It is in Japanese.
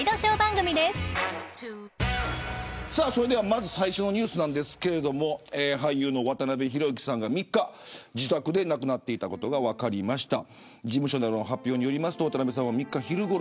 まず最初のニュースですが俳優の渡辺裕之さんが３日自宅で亡くなっていたことが分かりました。